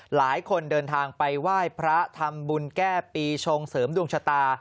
หลายคนเดินทางไปไหว้พระทำบุญแก้ปีชงเสริมดวงชะตา